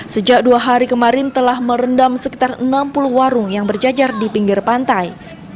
sejak dua hari kemarin telah merendam sekitar enam puluh warung yang berjajar di pinggir pantai